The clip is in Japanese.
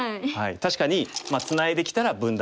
確かにツナいできたら分断。